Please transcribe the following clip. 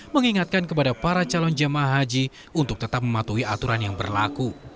mengingatkan kepada para calon jemaah haji untuk tetap mematuhi aturan yang berlaku